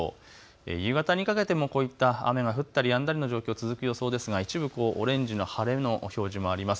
夕方にかけてもこういった雨が降ったりやんだりの状況続く予想ですが一部オレンジの晴れの表示もあります。